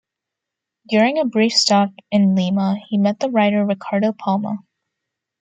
During a brief stop in Lima he met the writer Ricardo Palma.